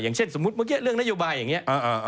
อย่างเช่นสมมุติเมื่อกี้เรื่องนโยบายอย่างนี้